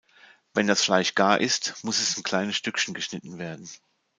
Wenn das Fleisch gar ist, muss es in kleine Stückchen geschnitten werden.